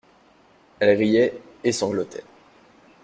Elle riait et sanglotait.